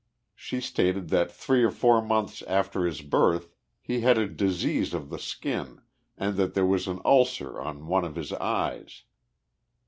She stated that three or four months after his birth he had a disease of the skin and that there was an ulcer on one of his eyes.